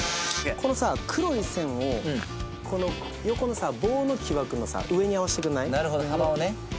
このさ黒い線をこの横のさ棒の木枠のさ上に合わせてくんない？